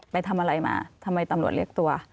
ไปทำอะไรมาทำไมตำรวจเรียกตัว